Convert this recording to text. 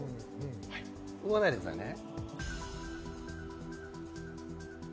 動かないでくださいね。